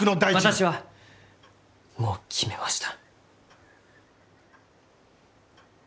私はもう決めました。